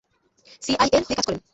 সিআইএর হয়ে কাজ করেন।